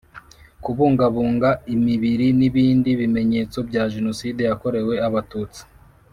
Kubungabunga imibiri n ibindi bimenyetso bya Jenoside yakorewe Abatutsi